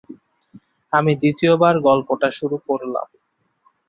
আমি দ্বিতীয় বার গল্পটা শুরু করলাম।